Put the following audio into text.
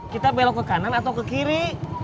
kita belok ke kanan atau ke kiri